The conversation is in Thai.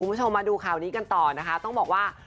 คุณผู้ชมมาดูข่าวนี้กันต่อนะคะต้องบอกว่า